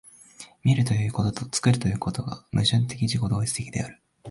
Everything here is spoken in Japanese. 見るということと作るということとが矛盾的自己同一的である。